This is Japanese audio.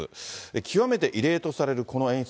極めて異例とされるこの演出。